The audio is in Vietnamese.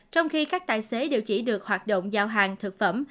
trong khi các tài xế đều chỉ được hoạt động giao hàng thực phẩm